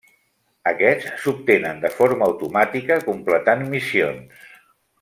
Aquests s'obtenen de forma automàtica completant missions.